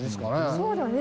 そうだね。